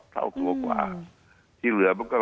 เท่าตัวกว่าที่เหลือมันก็